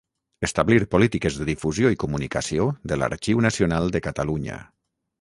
Establir polítiques de difusió i comunicació de l'Arxiu Nacional de Catalunya.